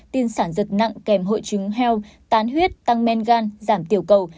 tiên sản giật nặng kèm hội chứng heo tán huyết tăng men gan giảm tiểu cầu